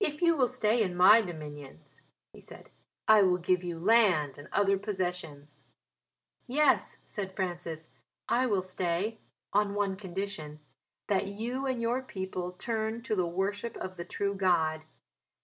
"If you will stay in my dominions," he said, "I will give you land and other possessions." "Yes," said Francis, "I will stay on one condition that you and your people turn to the worship of the true God.